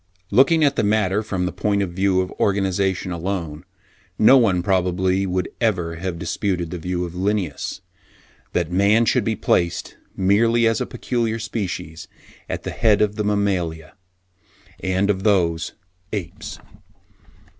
Looking at the matter from the point of view of organisation alone, no one probably would ever have disputed the view of Linnaeus, that man should be placed, merely as a peculiar species, at the head of the mammalia and of those apes.